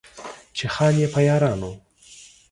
چې خان يې، په يارانو